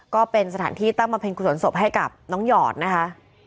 ก็เป็นสถานที่ตั้งบำเพ็ญกุศลศพให้กับน้องหยอดนะคะ